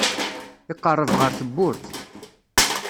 Iqerreb ɣer tewwurt.